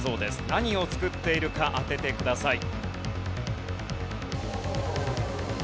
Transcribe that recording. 何を作っているか当ててください。